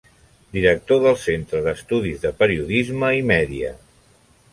Director del Centre d'Estudis de Periodisme i Media.